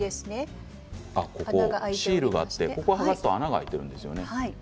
シールがあってここを剥がすと穴が開いているんですね。